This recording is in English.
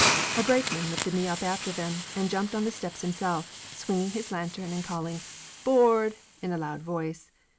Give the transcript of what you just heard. A brakeman lifted me up after them, and jumped on the steps himself, swinging his lan tern and calling 'Board !' in a loud voice.